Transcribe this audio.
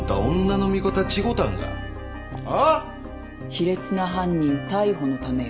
卑劣な犯人逮捕のためよ。